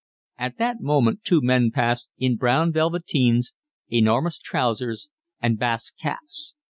At that moment two men passed, in brown velveteens, enormous trousers, and basque caps.